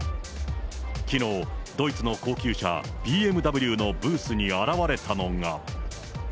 きのう、ドイツの高級車、ＢＭＷのブースに現れたのが。